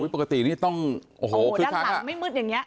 ปกตินี่ต้องโอ้โหด้านหลังไม่มืดอย่างนี้